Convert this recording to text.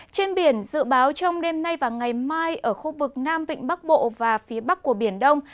trên biển dự báo trong đêm nay và ngày mai ở khu vực nam vịnh bắc bộ và phía bắc của biển đông